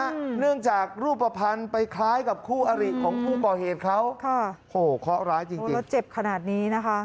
เข้าโหเข้าร้ายจริงโอ้แล้วเจ็บขนาดนี้นะคะ